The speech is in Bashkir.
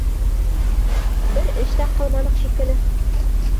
Бер эш тә ҡылманыҡ шикелле.